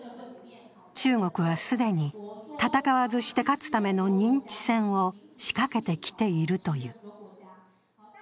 中国は既に、戦わずして勝つための認知戦を仕掛けてきているという。